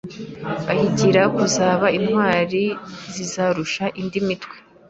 Bahigira kuzaba intwari zizarusha indi mitwe